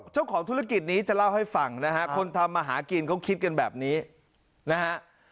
เจ้าของธุรกิจนี้จะเล่าให้ฟังนะฮะคนทำมาหากินเขาคิดกันแบบนี้นะฮะ